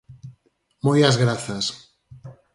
Moias grazas.